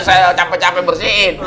saya capek capek bersihin